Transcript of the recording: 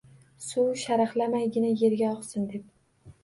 Suv sharaqlamaygina, yerga oqsin deb.